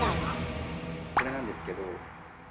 これなんですけど。